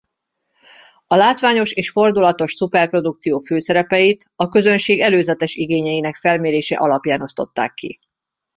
A látványos és fordulatos szuperprodukció főszerepeit a közönség előzetes igényeinek felmérése alapján osztották ki.